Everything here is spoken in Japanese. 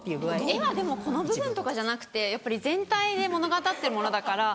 絵はでもこの部分とかじゃなくてやっぱり全体で物語ってるものだから。